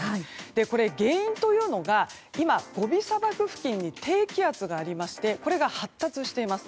これ、原因というのが今、ゴビ砂漠付近に低気圧がありましてこれが発達しています。